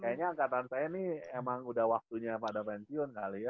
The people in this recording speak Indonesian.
kayaknya angkatan saya ini emang udah waktunya pada pensiun kali ya